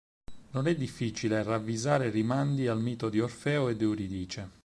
Non è difficile ravvisare rimandi al mito di Orfeo ed Euridice.